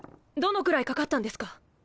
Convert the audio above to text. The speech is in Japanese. どのくらいかかったんですか！？